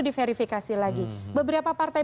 diverifikasi lagi beberapa partai